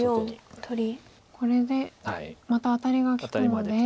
これでまたアタリが利くので。